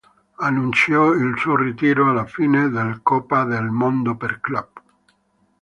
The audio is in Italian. Annunciò il suo ritiro alla fine del Coppa del mondo per club.